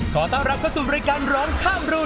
ขอต้อนรับเข้าสู่รายการร้องข้ามรุ่น